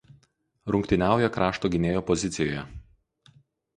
Rungtyniauja krašto gynėjo pozicijoje.